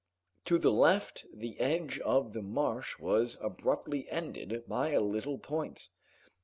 To the left the edge of the marsh was abruptly ended by a little point.